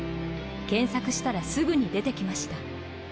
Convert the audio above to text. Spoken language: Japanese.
検索したらすぐに出てきました。